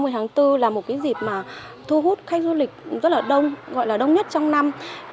ba mươi tháng bốn là một dịp thu hút khách du lịch rất đông gọi là đông nhất trong năm